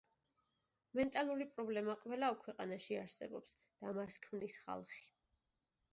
მენტალური პრობლემა ყველა ქვეყანაში არსებობს და მას ქმნის ხალხი.